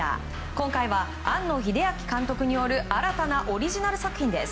今回は庵野秀明監督による新たなオリジナル作品です。